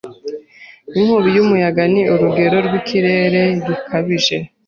Inkubi y'umuyaga ni urugero rw'ikirere gikabije.